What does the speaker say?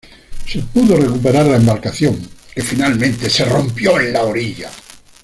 Se pudo recuperar la embarcación, que finalmente se rompió en la orilla.